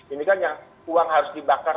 ini kan yang uang harus dibakar